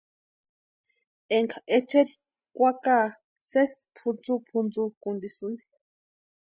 Énka echeri kwakaa sési pʼuntsupʼuntsukʼuntisïni.